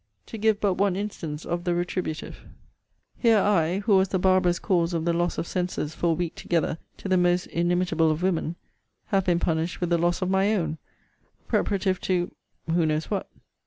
To give but one instance of the retributive here I, who was the barbarous cause of the loss of senses for a week together to the most inimitable of women, have been punished with the loss of my own preparative to who knows what?